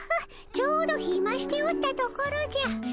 ちょうどひましておったところじゃ。